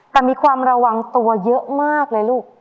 แต่มีความระวังตัวเยอะมากเลยลูก